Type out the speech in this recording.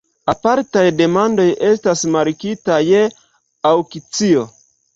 Apartaj demandoj estas markitaj aŭkcio.